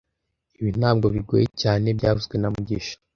Ibi ntabwo bigoye cyane byavuzwe na mugisha